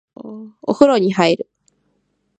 お風呂に入る